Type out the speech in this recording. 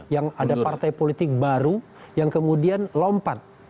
yang ada partai politik baru yang kemudian lompat